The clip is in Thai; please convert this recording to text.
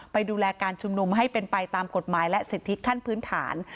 ไปดูแลการชุมนุมให้เป็นไปตามกฎหมายและสิทธิขั้นพื้นฐาน